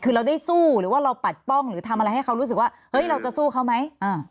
คือเราได้สู้หรือว่าเราปัดป้องหรือทำอะไรให้เขารู้สึกว่าเฮ้ยเราจะสู้เขาไหม